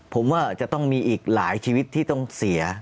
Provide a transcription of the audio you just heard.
ผมว่าจะต้องมีอีกหลายชีวิตที่ต้องเสีย